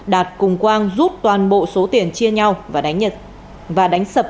đạt cùng quang rút toàn bộ số tiền chia nhau và đánh sập